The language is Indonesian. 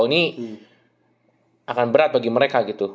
ini akan berat bagi mereka gitu